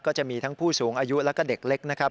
ก็จะมีทั้งผู้สูงอายุแล้วก็เด็กเล็กนะครับ